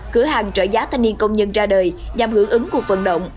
cửa hàng trợ giá thanh niên công nhân ra đời nhằm hưởng ứng cuộc vận động